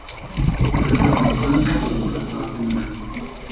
غئدئر نوربئن خییال پئردازی مونۂ